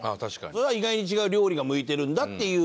意外に違う料理が向いてるんだっていう。